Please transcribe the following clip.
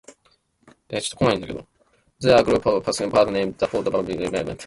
They are a group of perching birds named for their bobbing or dipping movements.